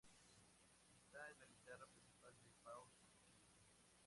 Esta es la guitarra principal de Paul con Kiss.